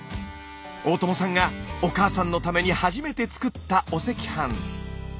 大友さんがお母さんのために初めて作ったお赤飯。